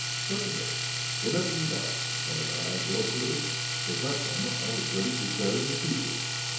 "Certainly, whenever you like," replied I, joyfully; for at that moment I was ready to tear him in pieces.